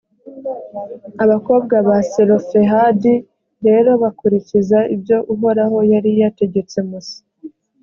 abakobwa ba selofehadi rero bakurikiza ibyo uhoraho yari yategetse musa.